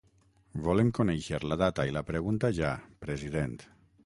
Volem conèixer la data i la pregunta ja, president.